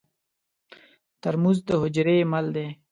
ترموز د حجرې مل دی.